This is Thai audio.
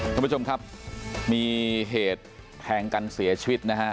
ท่านผู้ชมครับมีเหตุแทงกันเสียชีวิตนะฮะ